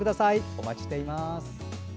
お待ちしています。